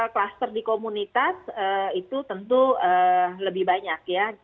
kluster di komunitas itu tentu lebih banyak ya